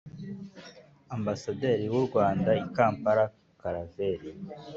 ambasaderi w'u rwanda i kampala, karaveri